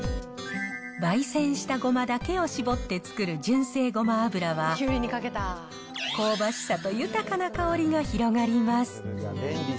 ばい煎したごまだけを搾って作る純正ごま油は、香ばしさと豊かな香りが広がります。